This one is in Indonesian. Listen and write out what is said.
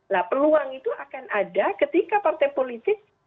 nah peluang itu akan ada ketika partai politik